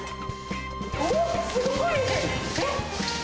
おー、すごい、えっ？